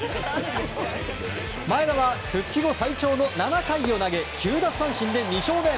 前田は復帰後最長の７回を投げ９奪三振で２勝目。